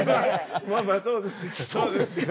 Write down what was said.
まあまあそうですけど。